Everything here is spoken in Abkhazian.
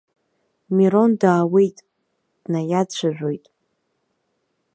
Мирон даауеит, днаиацәажәоит.